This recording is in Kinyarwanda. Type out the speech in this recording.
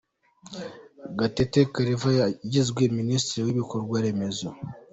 Gatete Claver yagizwe Minisitiri w'Ibikorwa Remezo.